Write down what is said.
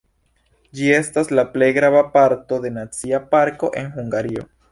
Ĝi estas la plej grava parto de nacia parko en Hungario.